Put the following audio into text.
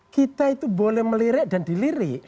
kita itu boleh melirik dan dilirik